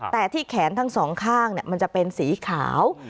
แต่ที่แขนทั้งสองข้างมันจะเป็นสีขาว